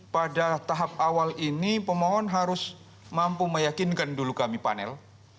pada tahap awal ini pemohon harus mampu meyakinkan dulu kami panel